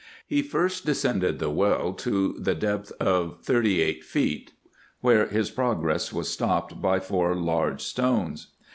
He first descended the well to the depth of thirty eight feet, where his progress was stopped by four large stones.